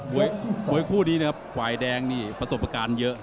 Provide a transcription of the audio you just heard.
มวยคู่นี้นะครับฝ่ายแดงนี่ประสบการณ์เยอะ